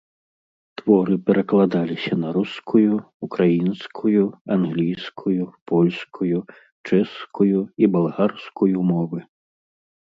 Творы перакладаліся на рускую, украінскую, англійскую, польскую, чэшскую і балгарскую мовы.